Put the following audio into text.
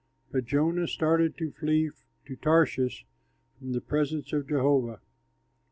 But Jonah started to flee to Tarshish from the presence of Jehovah.